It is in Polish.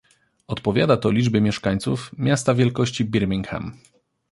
Odpowiada to liczbie mieszkańców miasta wielkości Birmingham